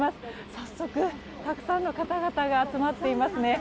早速、たくさんの方々が集まっていますね。